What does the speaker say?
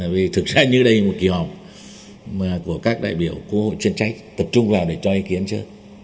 vì thực ra như đây một kỳ họp của các đại biểu quốc hội truyền trách tập trung vào để cho ý kiến chứ